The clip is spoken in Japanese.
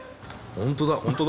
本当だ。